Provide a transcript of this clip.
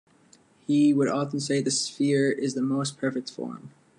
He would often say, The sphere is the most perfect form.